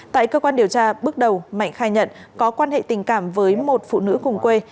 tại cơ quan điều tra bước đầu mạnh khai nhận có quan hệ tình cảm với một phụ nữ cùng quê